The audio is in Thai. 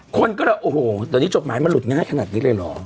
คนก็เลยโอ้โหเดี๋ยวนี้จดหมายมันหลุดง่ายขนาดนี้เลยเหรอ